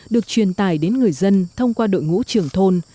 được truyền tải đến người dân thông qua đội ngũ trưởng thôn